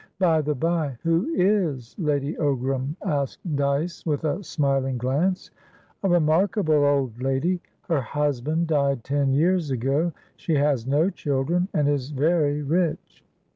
"By the bye, who is Lady Ogram?" asked Dyce, with a smiling glance. "A remarkable old lady. Her husband died ten years ago; she has no children, and is very rich.